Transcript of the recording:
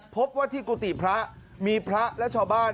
พบว่าที่กุฏิพระมีพระและชาวบ้าน